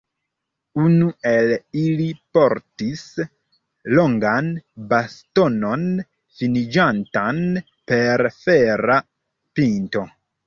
Unu el ili portis longan bastonon finiĝantan per fera pinto.